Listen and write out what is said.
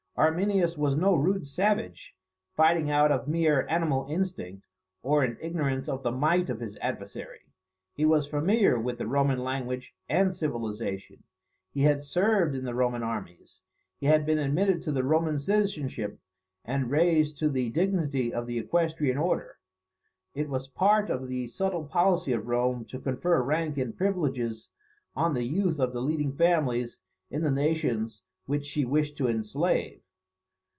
Arminius was no rude savage, fighting out of mere animal instinct, or in ignorance of the might of his adversary. He was familiar with the Roman language and civilization; he had served in the Roman armies; he had been admitted to the Roman citizenship, and raised to the dignity of the equestrian order. It was part of the subtle policy of Rome to confer rank and privileges on the youth of the leading families in the nations which she wished to enslave.